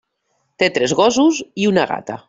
Té tres gossos i una gata.